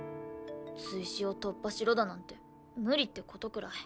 追試を突破しろだなんて無理って事くらい。